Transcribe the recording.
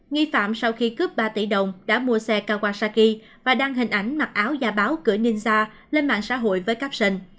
nghi phạm sau khi cướp ba tỷ đồng đã mua xe kawasaki và đăng hình ảnh mặc áo gia báo cửa ninza lên mạng xã hội với caption